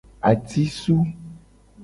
Atisu.